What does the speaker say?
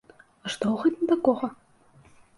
А што ў гэтым такога!?